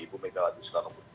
ibu mekalati sekarang